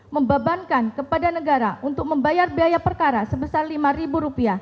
membebankan kepada negara untuk membayar biaya perkara sebesar rp lima